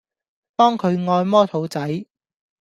幫佢按摩肚仔